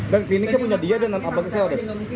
dan kliniknya punya dia dan apa ke saya